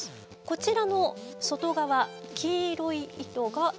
こちらの外側黄色い糸が。